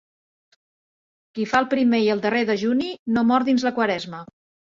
Qui fa el primer i el darrer dejuni no mor dins la Quaresma.